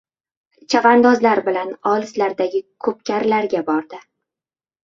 Chavandozlar bilan olislardagi ko‘pkarilarga bordi.